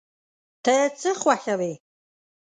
ته څه خوښوې؟